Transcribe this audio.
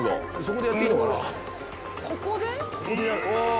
ここで？